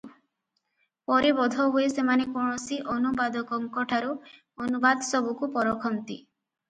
ପରେ ବୋଧ ହୁଏ ସେମାନେ କୌଣସି ଅନୁବାଦକଙ୍କଠୁ ଅନୁବାଦସବୁକୁ ପରଖନ୍ତି ।